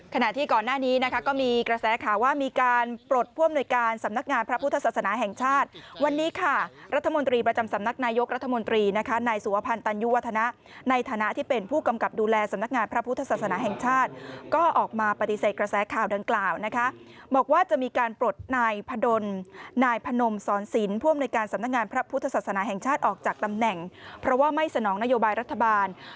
ขณะที่ก่อนหน้านี้ก็มีกระแสข่าวว่า